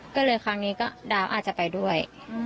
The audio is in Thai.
ก็เลยครั้งนี้ก็ดาวอาจจะไปด้วย